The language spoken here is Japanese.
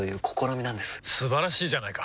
素晴らしいじゃないか！